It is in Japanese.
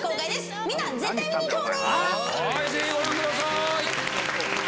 ぜひご覧ください！